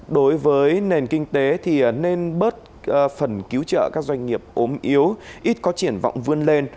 đối với nền kinh tế thì nên bớt phần cứu trợ các doanh nghiệp ốm yếu ít có triển vọng vươn lên